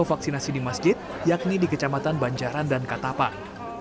vaksinasi di masjid yakni di kecamatan banjaran dan katapak